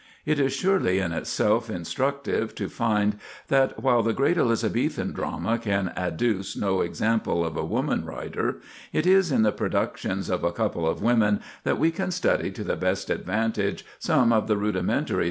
It is surely in itself instructive to find that while the great Elizabethan drama can adduce no example of a woman writer, it is in the productions of a couple of women that we can study to the best advantage some of the rudimentary developments of the modern novel.